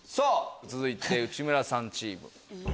続いて内村さんチーム。